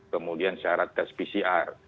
kemudian syarat tes pcr